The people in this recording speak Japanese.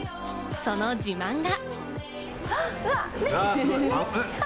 その自慢が。